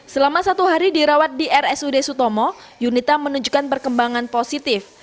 selama satu hari dirawat di rsud sutomo yunita menunjukkan perkembangan positif